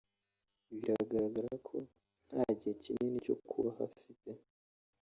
Biragaragara ko nta gihe kinini cyo kubaho afite